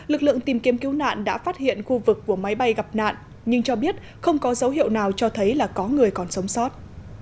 lực lượng tìm kiếm cứu nạn đã phát hiện khu vực của máy bay gặp nạn nhưng cho biết không có dấu hiệu nào cho thấy là có người còn sống sót